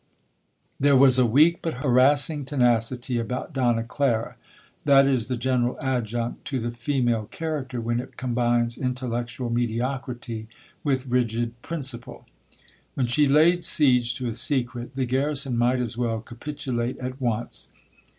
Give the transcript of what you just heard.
'There was a weak but harassing tenacity about Donna Clara, that is the general adjunct to the female character when it combines intellectual mediocrity with rigid principle. When she laid siege to a secret, the garrison might as well capitulate at once.